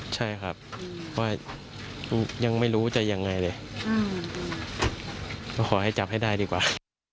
ใช่ครับก็ยังไม่รู้จะยังไงเลยก็ขอให้จับให้ได้ดีกว่า